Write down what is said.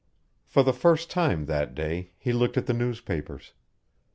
For the first time that day, he looked at the newspapers.